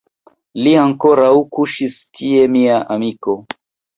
Li ankoraŭ kuŝis tie, mia amiko.